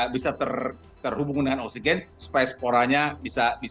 bisa terhubung dengan oksigen supaya sporanya bisa